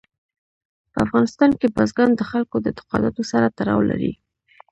په افغانستان کې بزګان د خلکو د اعتقاداتو سره تړاو لري.